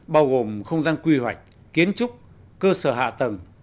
bao gồm không gian quy hoạch kiến trúc cơ sở hạ tầng